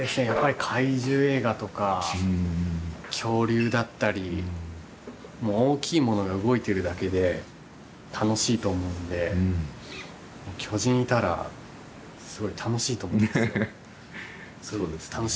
やっぱり怪獣映画とか恐竜だったり大きいものが動いてるだけで楽しいと思うんで巨人いたらすごい楽しいと思うんですよ。